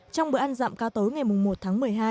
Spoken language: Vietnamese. trong bữa ăn dặm ca tối ngày một tháng một mươi hai